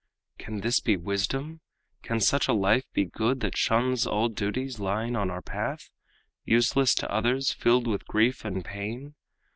"Can this be wisdom? Can such a life be good That shuns all duties lying in our path Useless to others, filled with grief and pain?